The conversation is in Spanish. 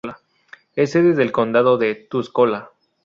Es sede del condado de Tuscola.